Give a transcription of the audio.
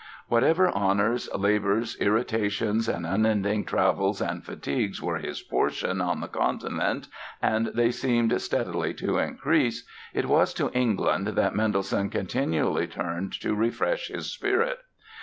Whatever honours, labours, irritations and unending travels and fatigues were his portion on the Continent (and they seemed steadily to increase) it was to England that Mendelssohn continually turned to refresh his spirit.